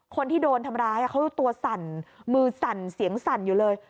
คนที่โดนทำร้ายเขาตัวสั่นมือสั่นเสียงสั่นอยู่เลย